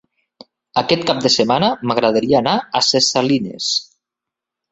Aquest cap de setmana m'agradaria anar a Ses Salines.